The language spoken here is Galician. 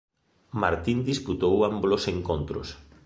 Martín disputou ambos os encontros.